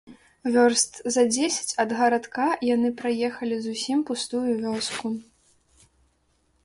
Вёрст за дзесяць ад гарадка яны праехалі зусім пустую вёску.